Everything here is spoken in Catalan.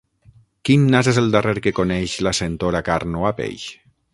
Quin nas és el darrer que coneix la sentor a carn o a peix?